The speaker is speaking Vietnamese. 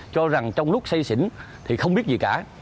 cho rằng trong lúc xây xỉn thì không biết gì cả